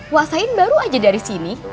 wak sain baru aja dari sini